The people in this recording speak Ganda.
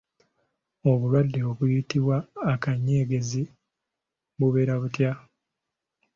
Obulwadde obuyitibwa akanyegezi bubeera butya ?